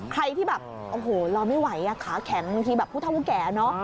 ใครที่แบบโอ้โหรอไม่ไหวขาแข็งบางทีแบบผู้เท่าผู้แก่เนอะ